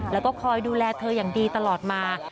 แล้วก็คอยดูแลเธออย่างดีตลอดมา